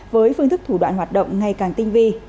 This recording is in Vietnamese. với phương thức thủ đoạn hoạt động ngày càng tinh vi